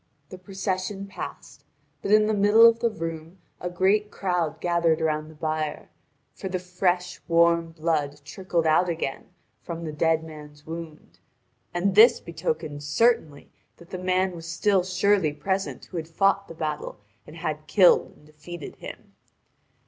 The procession passed, but in the middle of the room a great crowd gathered about the bier, for the fresh warm blood trickled out again from the dead man's wound, and this betokened certainly that the man was still surely present who had fought the battle and had killed and defeated him.